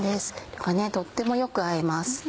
これとってもよく合います。